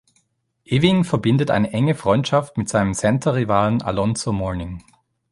Ewing verbindet eine enge Freundschaft mit seinem Center-Rivalen Alonzo Mourning.